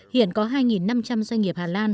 hiện có hai năm trăm linh doanh nghiệp hà lan